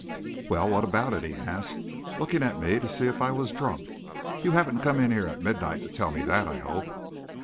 "Well, what about it?" he asked, looking at me to see if I was drunk. "You haven't come in here at midnight to tell me that, I hope?"